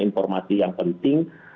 informasi yang penting